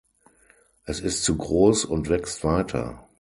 Es ist zu groß und wächst weiter.